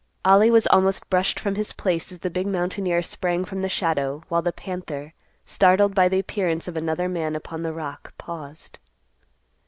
_ Ollie was almost brushed from his place as the big mountaineer sprang from the shadow, while the panther, startled by the appearance of another man upon the rock, paused.